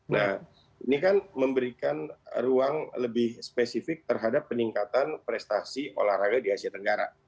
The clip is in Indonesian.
nah ini kan memberikan ruang lebih spesifik terhadap peningkatan prestasi olahraga di asia tenggara